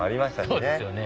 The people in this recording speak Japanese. そうですよね。